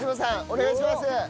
お願いします！